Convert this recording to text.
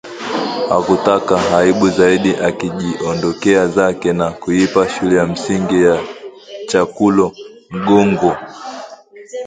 Hakutaka aibu zaidi akjiondokea zake na kuipa shule ya msingi ya Chakulo mgongo